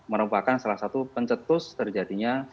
merupakan salah satu pencetus terjadinya